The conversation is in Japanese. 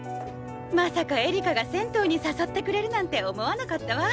まさかエリカが銭湯に誘ってくれるなんて思わなかったわ。